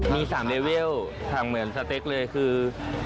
มี๓เลเวลเหมือนสเต็กเลยคือ